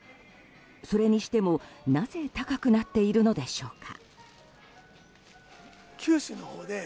それにしても、なぜ高くなっているのでしょうか。